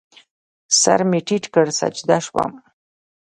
سر مې ټیټ کړ، سجده شوم